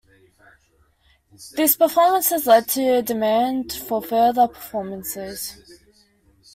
These performances led to demand for further performances.